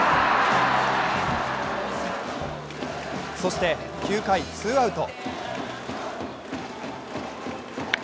そして９回、ツーアウト。